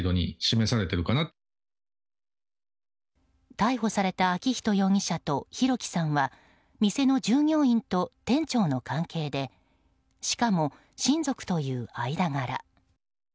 逮捕された昭仁容疑者と弘輝さんは店の従業員と店長の関係でしかも親族という間柄。